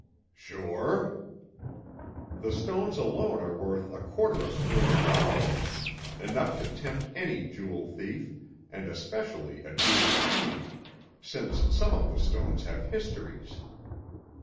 "Sure." "The stones alone are worth a quarter of a million dollars—enough to tempt any jewel thief, and especially a jewel fiend, since some of the stones have histories.